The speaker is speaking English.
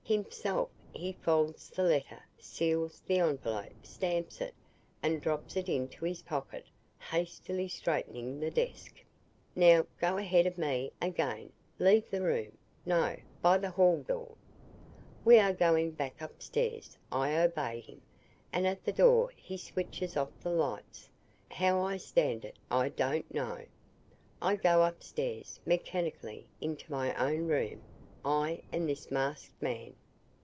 Himself he folds the letter, seals the envelope, stamps it, and drops it into his pocket, hastily straightening the desk. "'Now, go ahead of me again. Leave the room no, by the hall door. We are going back upstairs.' I obey him, and at the door he switches off the lights. How I stand it, I don't know. I go upstairs, mechanically, into my own room I and this masked man.